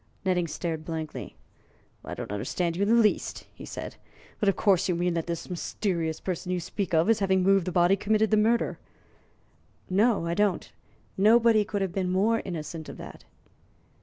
Nettings stared blankly. "I don't understand you in the least," he said. "But, of course, you mean that this mysterious person you speak of as having moved the body committed the murder?" "No, I don't. Nobody could have been more innocent of that."